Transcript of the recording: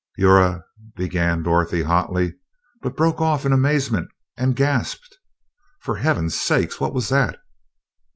"You're a...." began Dorothy hotly, but broke off in amazement and gasped, "For Heaven's sake, what was that?"